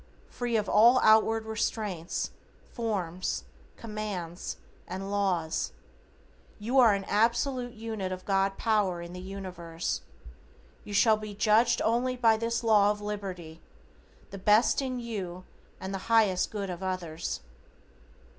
Free of all outward restraints, forms, commands and laws you are an absolute unit of God power in the universe. You shall be judged only by this law of liberty, the best in you and the highest good of others.